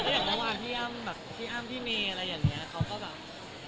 อย่างเมื่อวานพี่อ้ำแบบพี่อ้ำพี่เมย์อะไรอย่างนี้เขาก็แบบ